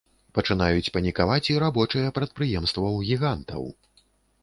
Пачынаюць панікаваць і рабочыя прадпрыемстваў-гігантаў.